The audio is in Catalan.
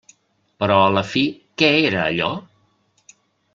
Però a la fi, què era allò?